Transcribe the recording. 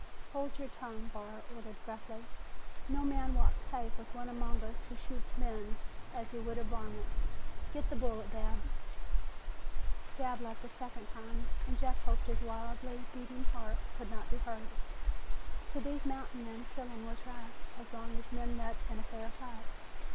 "Hold your tongue!" Barr ordered gruffly. "No man walks safe with one among us who shoots men as he would a varmint! Get the bullet, Dabb!" Dabb left a second time and Jeff hoped his wildly beating heart could not be heard. To these mountain men killing was right, as long as men met in a fair fight.